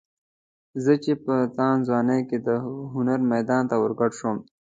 زه چې په تانده ځوانۍ کې د هنر میدان ته ورګډ شوم.